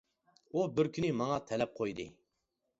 ئۇ بىر كۈنى ماڭا تەلەپ قويدى.